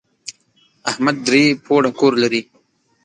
احمد درې پوړه کور لري.